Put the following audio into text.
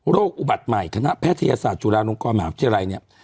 อุบัติใหม่คณะแพทยศาสตร์จุฬาลงกรมหาวิทยาลัยเนี่ย